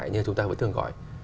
như chúng ta vẫn thường gọi